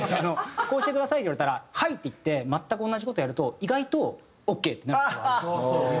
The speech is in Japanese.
「こうしてください」って言われたら「はい！」って言って全く同じ事やると意外と「オーケー」ってなる事があるんですよね。